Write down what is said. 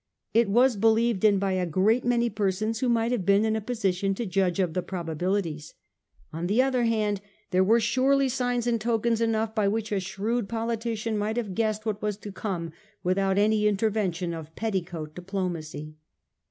It was believed in by a great many persons who might have been in a position to judge of the probabilities. On the other hand, there were surely signs and tokens enough by which a shrewd politician might have guessed what was to come without any intervention of petticoat diplomacy.